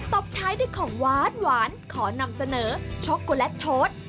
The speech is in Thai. ตบท้ายด้วยของหวานขอนำเสนอช็อกโกแลตโทษ